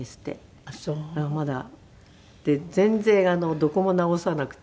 で全然どこも直さなくていい。